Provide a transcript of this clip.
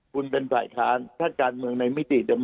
คุณเป็นฝ่ายค้านถ้าการเมืองในมิติเดิม